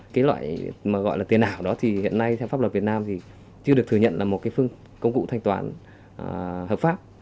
cái loại mà gọi là tiền ảo đó thì hiện nay theo pháp luật việt nam thì chưa được thừa nhận là một cái phương cụ thanh toán hợp pháp